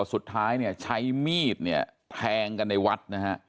สุดท้ายเนี่ยใช้มีดเนี่ยแทงกันในวัดนะฮะ